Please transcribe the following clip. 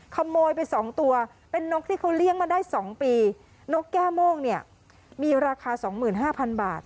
ขโมยไปสองตัวเป็นนกที่เขาเลี้ยงมาได้๒ปีนกแก้โม่งเนี่ยมีราคาสองหมื่นห้าพันบาท